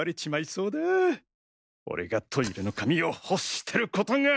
そうだ俺がトイレの紙を欲してることが！